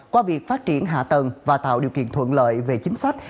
qua việc phát triển hạ tầng và tạo điều kiện thuận lợi về chính sách